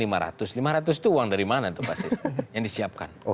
lima ratus itu uang dari mana pak sis yang disiapkan